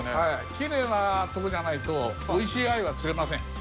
きれいな所じゃないと、おいしいあゆは釣れません。